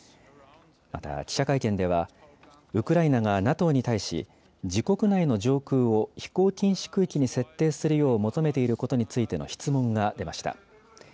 また記者会見ではウクライナがＮＡＴＯに対し自国内の上空を飛行禁止区域に設定するよう求めていることについての質問が出ました。